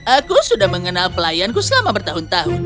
aku sudah mengenal pelayanku selama bertahun tahun